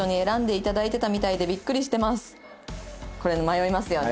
これ迷いますよね。